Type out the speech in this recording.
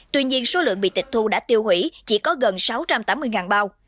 tuy nhiên số lượng bị tịch thu đã tiêu hủy chỉ có gần sáu trăm tám mươi bao